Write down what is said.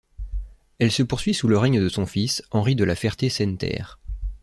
Elle se poursuit sous le règne de son fils, Henri de La Ferté-Senneterre.